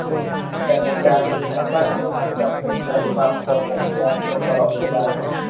แต่ในการบริหารบ้านเมืองไม่จำเป็นใช้ความกลัวปกครองคนตลอดเวลา